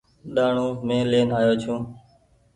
ڏآڻو مين لين آيو ڇون ۔